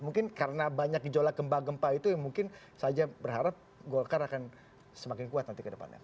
mungkin karena banyak gejolak gempa gempa itu yang mungkin saja berharap golkar akan semakin kuat nanti ke depannya